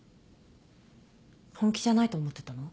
本気じゃないと思ってたの？